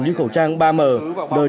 như khẩu trang ba m b chín mươi năm